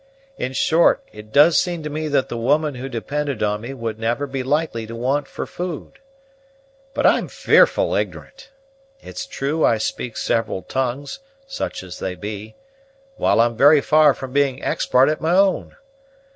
In short, it does seem to me that the woman who depended on me would never be likely to want for food. But I'm fearful ignorant! It's true I speak several tongues, such as they be, while I'm very far from being expart at my own.